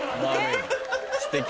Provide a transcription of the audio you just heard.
すてき。